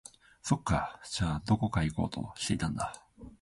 そっか、じゃあ、どこか行こうとしていたんだ